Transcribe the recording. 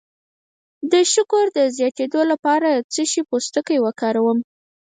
د شکر د زیاتیدو لپاره د څه شي پوستکی وکاروم؟